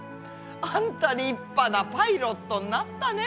あんた立派なパイロットになったね。